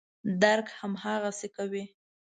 درک هماغسې کوي.